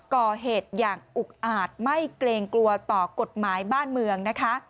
ก่อเหตุอย่างอุกอาจไม่เกรงกลัวต่อกฎหมายบ้านเมืองนะคะ